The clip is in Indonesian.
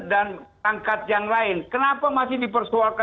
dan tangkat yang lain kenapa masih dipersoalkan